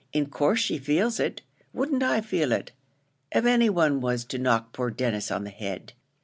in course she feels it. Wouldn't I feel it, av any one was to knock poor Denis on the head?